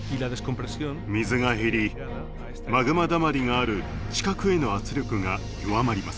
水が減りマグマだまりがある地殻への圧力が弱まります。